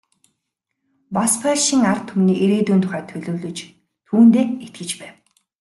Бас польшийн ард түмний ирээдүйн тухай төлөвлөж, түүндээ итгэж байв.